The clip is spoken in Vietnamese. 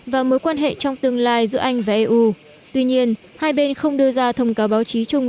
và mối quan hệ trong tương lai giữa anh và eu tuy nhiên hai bên không đưa ra thông cáo báo chí chung